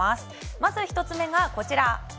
まず１つ目がこちら。